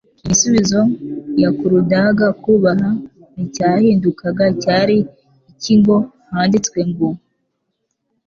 igisubizo yakurudaga kubaha nticyahindukaga cyari iki ngo: "Handitswe ngo".